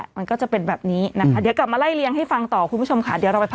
อ้าวมากันสอบน่ะคะคุณผู้ชมภาพ